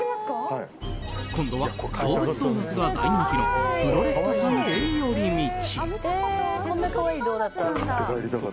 今度はどうぶつドーナツが大人気のフロレスタさんで寄り道。